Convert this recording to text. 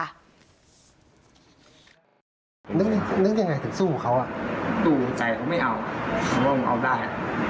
บ้านเยอะทำแค่นี้มันจะทำเลย